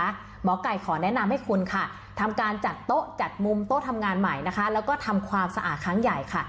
หมอไก่ขอแนะนำให้คุณค่ะทำการจัดโต๊ะจัดมุมโต๊ะทำงานใหม่นะคะแล้วก็ทำความสะอาดครั้งใหญ่ค่ะ